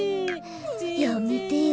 やめてよ。